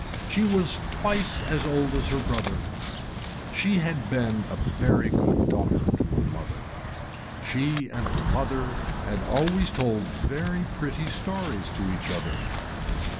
She was twice as old as her brother. She had been a very good daughter to her mother. She and her mother had always told very pretty stories to each other.